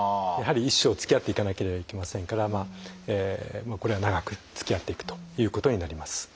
やはり一生つきあっていかなければいけませんからこれは長くつきあっていくということになります。